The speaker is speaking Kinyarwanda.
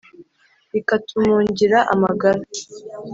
bikatumungira amagara.